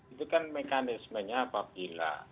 itu kan mekanismenya apabila